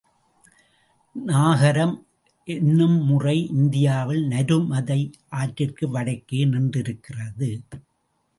நாகரம், என்னும் முறை இந்தியாவில் நருமதை ஆற்றிற்கு வடக்கே நின்றிருக்கிறது.